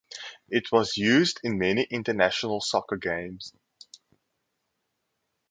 It was used in many international soccer games.